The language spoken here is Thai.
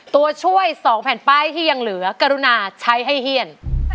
ตัวช่วย๒แผ่นป้ายที่ยังเหลือกรุณาใช้ให้เฮียน